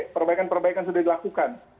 perbaikan perbaikan sudah dilakukan